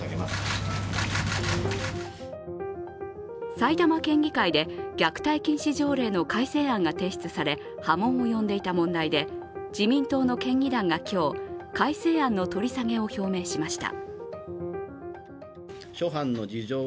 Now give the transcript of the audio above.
埼玉県議会で虐待禁止条例の改正案が提出され波紋を呼んでいた問題で自民党の県議団が今日、改正案の取り下げを表明しました。